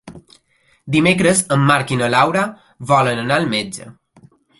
Dimecres en Marc i na Laura volen anar al metge.